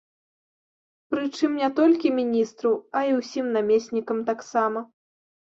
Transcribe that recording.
Прычым, не толькі міністру, а і ўсім намеснікам таксама.